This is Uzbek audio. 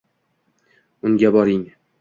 Unga boring